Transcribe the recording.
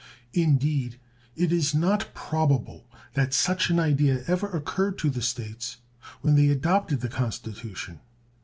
Indeed, it is not probable that such an idea ever occurred to the States when they adopted the Constitution.